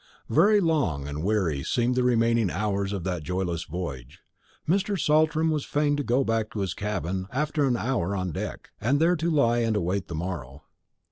Very long and weary seemed the remaining hours of that joyless voyage. Mr. Saltram was fain to go back to his cabin after an hour on deck, there to lie and await the morrow.